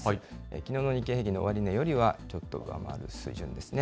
きのうの日経平均の終値よりは、ちょっと上回る水準ですね。